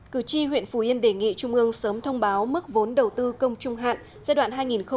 cử tri huyện phủ yên đề nghị trung ương sớm thông báo mức vốn đầu tư công trung hạn giai đoạn hai nghìn một mươi sáu hai nghìn hai mươi